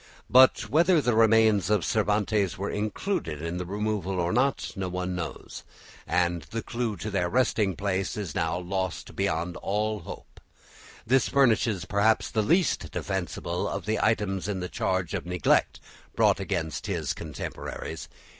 But whether the remains of Cervantes were included in the removal or not no one knows, and the clue to their resting place is now lost beyond all hope. This furnishes perhaps the least defensible of the items in the charge of neglect brought against his contemporaries.